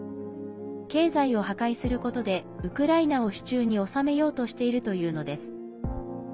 経済を破壊することでウクライナを手中に収めようとしているというのです。